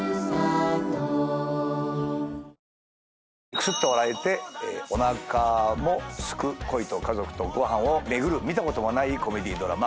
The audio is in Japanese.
クスッと笑えておなかもすく恋と家族とご飯を巡る見たこともないコメディードラマ